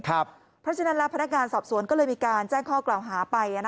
เพราะฉะนั้นแล้วพนักงานสอบสวนก็เลยมีการแจ้งข้อกล่าวหาไป